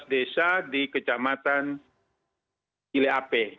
tujuh belas desa di kecamatan ile ape